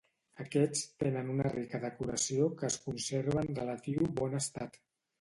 Aquests tenen una rica decoració que es conserva en relatiu bon estat.